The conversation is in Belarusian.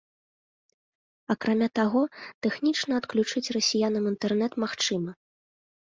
Акрамя таго, тэхнічна адключыць расіянам інтэрнэт магчыма.